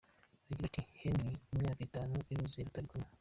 Agira ati “Henry, imyaka itanu iruzuye tutari kumwe.